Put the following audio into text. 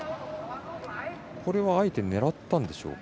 これはあえて狙ったんでしょうか。